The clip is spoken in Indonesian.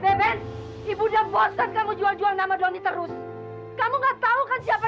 dan kamu jual juang nama dhoni terus kamu ignorance siapa